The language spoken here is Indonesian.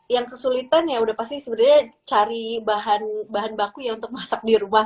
yang kesulitan ya udah pasti sebenarnya cari bahan baku ya untuk masak di rumah